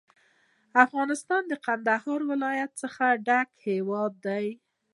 افغانستان له کندهار ولایت څخه ډک هیواد دی.